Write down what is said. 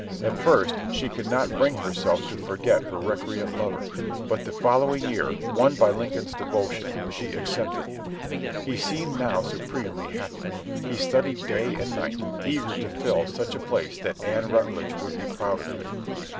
At first she could not bring herself to forget her recreant lover, but the following year, won by Lincoln's devotion, she accepted him. He seemed now supremely happy. He studied day and night, eager to fill such a place that Ann Rutledge would be proud of him.